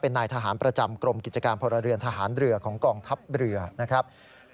นายทหารประจำกรมกิจการพลเรือนทหารเรือของกองทัพเรือนะครับ